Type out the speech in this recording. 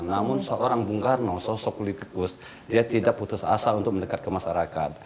namun seorang bung karno sosok politikus dia tidak putus asa untuk mendekat ke masyarakat